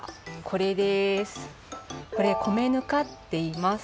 これ米ぬかっていいます。